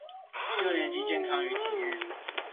六年級健康與體育